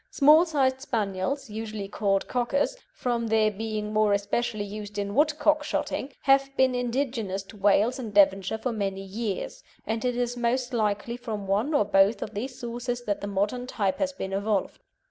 Small sized Spaniels, usually called Cockers, from their being more especially used in woodcock shooting, have been indigenous to Wales and Devonshire for many years, and it is most likely from one or both of these sources that the modern type has been evolved.